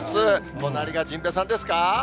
隣が甚兵衛さんですか。